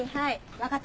分かった？